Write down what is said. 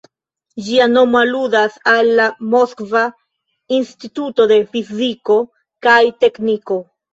Ĝia nomo aludas al la Moskva Instituto de Fiziko kaj Tekniko.